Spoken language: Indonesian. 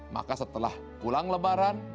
maka setelah pulang lebaran